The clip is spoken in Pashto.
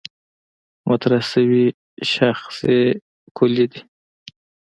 مطرح شوې شاخصې کُلي دي.